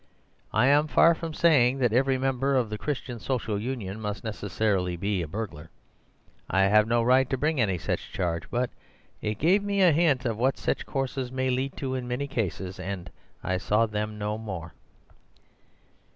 I am far from saying that every member of the Christian Social Union must necessarily be a burglar. I have no right to bring any such charge. But it gave me a hint of what such courses may lead to in many cases; and I saw them no more.